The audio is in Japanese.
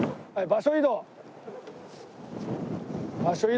場所移動。